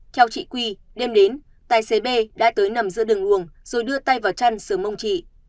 theo chị quy đêm đến tài xế b đã tới nằm giữa đường luồng rồi đưa tay vào chăn sửa mông chị